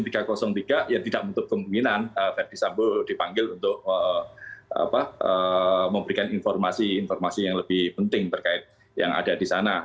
ya tidak menutup kemungkinan verdi sambo dipanggil untuk memberikan informasi informasi yang lebih penting terkait yang ada di sana